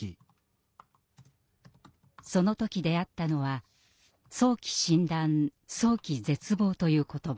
その時出会ったのは「早期診断早期絶望」という言葉。